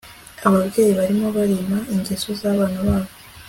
Ababyeyi barimo barema ingeso zabana babo